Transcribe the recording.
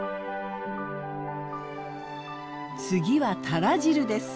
次はタラ汁です。